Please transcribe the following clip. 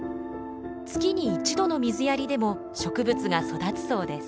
月に１度の水やりでも植物が育つそうです。